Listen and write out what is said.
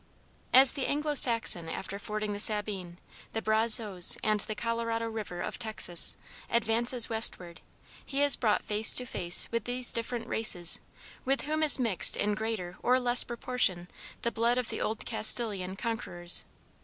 As the Anglo Saxon after fording the Sabine, the Brazos, and the Colorado River of Texas, advances westward, he is brought face to face with these different races with whom is mixed in greater or less proportion the blood of the old Castilian conquerors.